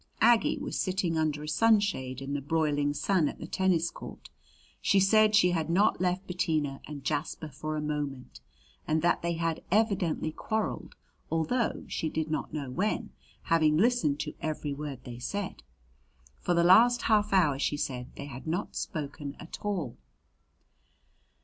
Aggie was sitting under a sunshade in the broiling sun at the tennis court. She said she had not left Bettina and Jasper for a moment, and that they had evidently quarreled, although she did not know when, having listened to every word they said. For the last half hour, she said, they had not spoken at all.